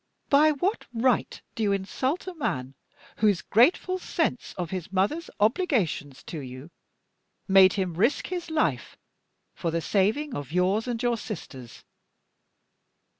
By what right do you insult a man whose grateful sense of his mother's obligations to you made him risk his life for the saving of yours and your sister's?